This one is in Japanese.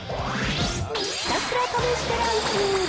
ひたすら試してランキング。